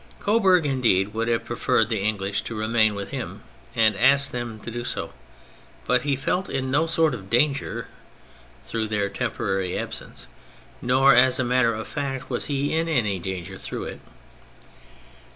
Coburg, indeed, would have preferred the English to remain with him, and asked them to do so, but he felt in no sort of danger through their temporary absence, nor, as a matter of fact, was he in any danger through it.